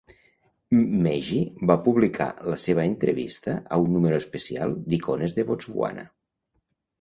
Mmegi va publicar la seva entrevista a un número especial d'"Icones de Botswana".